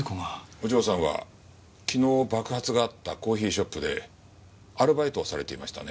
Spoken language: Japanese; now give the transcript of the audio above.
お嬢さんは昨日爆発があったコーヒーショップでアルバイトをされていましたね。